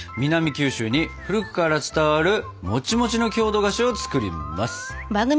九州に古くから伝わるもちもちの郷土菓子を作ります！